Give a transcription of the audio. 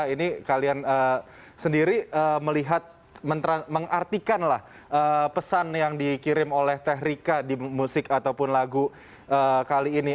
ini kalian sendiri melihat mengartikanlah pesan yang dikirim oleh teh rika di musik ataupun lagu kali ini